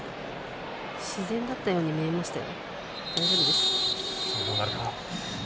自然だったように見えましたよ。